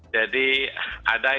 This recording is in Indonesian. jadi ada yang ya